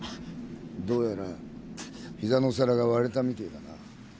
どうやら膝の皿が割れたみてえだな。